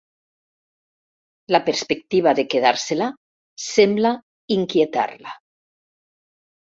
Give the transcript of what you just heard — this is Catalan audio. La perspectiva de quedar-se-la sembla inquietar-la.